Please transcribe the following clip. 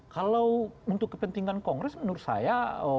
kalau untuk kepentingan kongres menurut saya